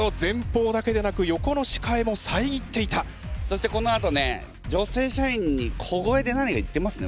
そしてこのあとね女性社員に小声で何か言ってますね